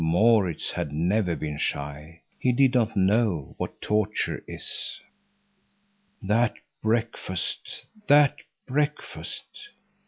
Maurits had never been shy. He did not know what torture it is. That breakfast, that breakfast!